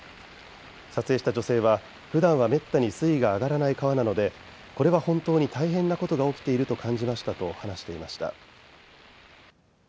撮影した女性はふだんはめったに水位が上がらない川なのでこれは本当に大変なことが起きていると感じましたと話していました。